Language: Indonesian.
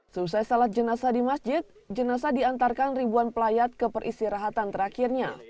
selesai salat jenazah di masjid jenazah diantarkan ribuan pelayat ke peristirahatan terakhirnya